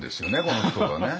この人がね。